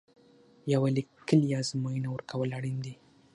یوه لیکلې ازموینه ورکول اړین دي.